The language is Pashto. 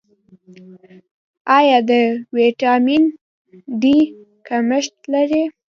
ایا د ویټامین ډي کمښت لرئ؟